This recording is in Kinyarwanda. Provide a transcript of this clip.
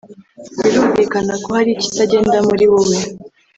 Birumvikana ko hari ikitagenda muri wowe